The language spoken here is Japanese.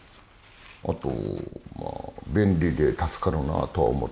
あとまあ便利で助かるなとは思ってる。